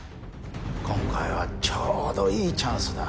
今回はちょうどいいチャンスだ。